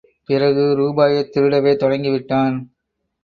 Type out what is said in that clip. பிறகு, ரூபாயைத் திருடவே தொடங்கி விட்டான்.